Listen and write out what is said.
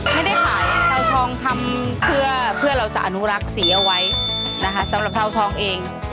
ไม่ได้ขายเทาทองทำเพื่อเราจะอนุรักษ์สีเอาไว้นะคะสำหรับเทาทองเอง